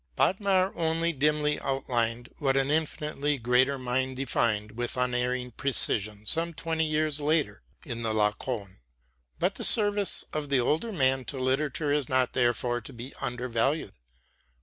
Bodmer only dimly outlined what an infinitely greater mind defined with unerring precision some twenty years later in the 'Laocoon.' But the service of the older man to literature is not therefore to be undervalued.